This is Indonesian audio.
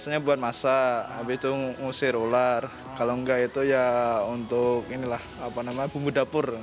biasanya buat masak habis itu ngusir ular kalau enggak itu ya untuk inilah apa namanya bumbu dapur